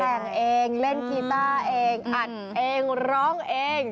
แต่งเองเล่นกีต้าเองอัดเองร้องเอง